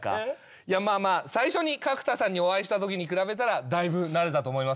いやまあまあ最初に角田さんにお会いしたときに比べたらだいぶ慣れたと思いますけど。